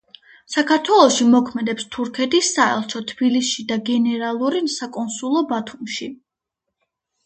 საქართველოში მოქმედებს თურქეთის საელჩო თბილისში და გენერალური საკონსულო ბათუმში.